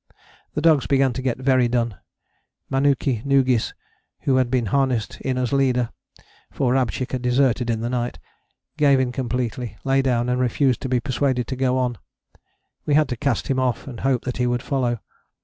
The dogs began to get very done: Manuki Noogis, who had been harnessed in as leader (for Rabchick had deserted in the night), gave in completely, lay down and refused to be persuaded to go on: we had to cast him off and hope that he would follow.